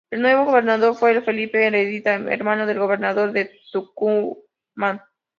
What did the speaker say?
El nuevo gobernador fue Felipe Heredia, hermano del gobernador de Tucumán.